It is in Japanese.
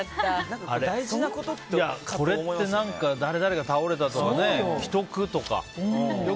これって、誰々が倒れたとか危篤とか。